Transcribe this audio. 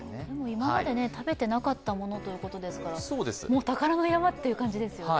今まで食べていなかったものということですから、もう宝の山ですね。